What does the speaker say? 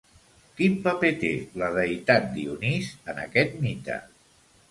Quin paper té la deïtat Dionís en aquest mite?